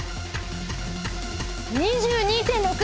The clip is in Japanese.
２２．６。